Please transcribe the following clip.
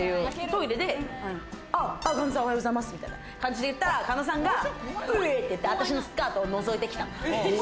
トイレで、加納さん、おはようございます、みたいな感じで言ったら、加納さんがウェイ！って言って、私のスカートをのぞいてきた。